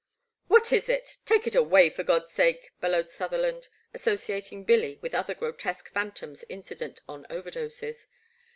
*' What is it ? Take it away for God's sake !*' bellowed Sutherland, associating Billy with other grotesque phantoms incident on overdoses.